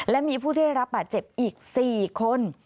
และมีผู้ได้รับบาดเจ็บอีก๔คน